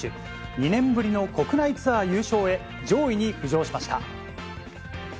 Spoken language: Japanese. ２年ぶりの国内ツアー優勝へ、上位に浮上しました。